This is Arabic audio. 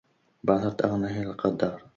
بعثرت أغنياته الأقدار